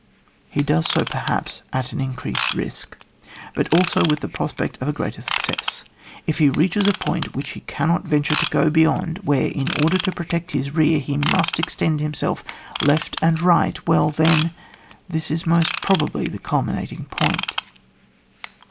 He does so perhaps at an increased risk, but also with the prospect of a greater success. If he reaches a point which he cannot venture to go beyond, where, in order to protect his rear, he must extend himself right and left — ^welt, then, this is most probably his culminat ing point.